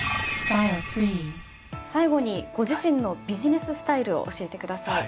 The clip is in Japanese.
最後にご自身のビジネススタイルを教えてください。